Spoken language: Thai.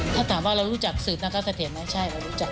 ถ้าถามว่าเรารู้จักสืบนาคสะเทียนไหมใช่เรารู้จัก